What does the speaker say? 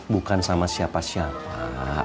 bukan sama siapa siapa